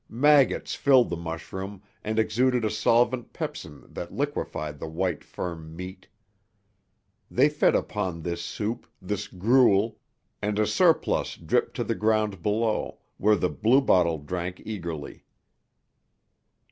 Maggots filled the mushroom, and exuded a solvent pepsin that liquefied the white firm "meat." They fed upon this soup, this gruel, and a surplus dripped to the ground below, where the bluebottle drank eagerly.